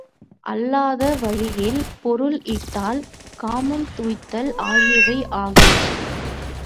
அல்லாத வழியில் பொருள் ஈட்டல், காமம் துய்த்தல் ஆகியவை ஆகா.